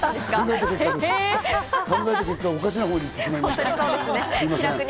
考えた結果、おかしな方にいってしまいました。